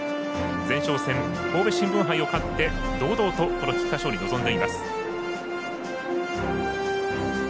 前哨戦神戸新聞杯を勝って堂々と菊花賞に臨んでいます。